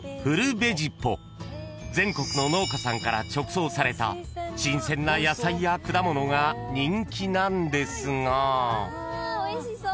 ［全国の農家さんから直送された新鮮な野菜や果物が人気なんですが］